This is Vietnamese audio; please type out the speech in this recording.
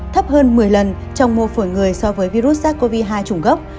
thấp hơn một mươi lần trong mô phổi người so với virus sars cov hai trùng gốc